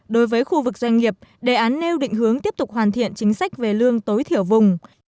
đối với khu vực doanh nghiệp đề án nêu định hướng tiếp tục hoàn thiện chính sách về lương tối thiểu vùng